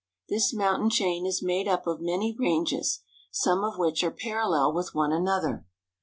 This mountain chain is made up of many ranges, some of which are parallel with one another.